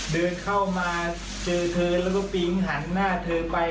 เดินเข้ามาเจอเธอแล้วก็ปิงหันหน้าเธอไป